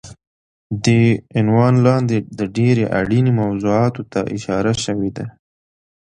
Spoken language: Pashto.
دې عنوان لاندې د ډېرې اړینې موضوعاتو ته اشاره شوی دی